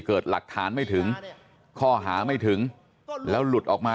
เกิดหลักฐานไม่ถึงข้อหาไม่ถึงแล้วหลุดออกมา